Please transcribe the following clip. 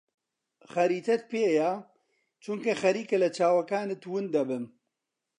خەریتەت پێیە؟ چونکە خەریکە لە چاوەکانت ون دەبم.